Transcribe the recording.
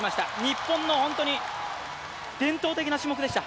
日本の伝統的な種目でした。